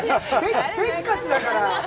せっかちだから。